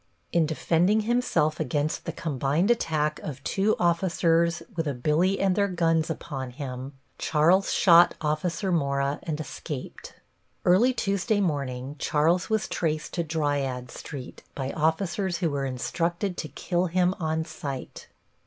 In defending himself against the combined attack of two officers with a billy and their guns upon him, Charles shot Officer Mora and escaped. Early Tuesday morning Charles was traced to Dryades Street by officers who were instructed to kill him on sight.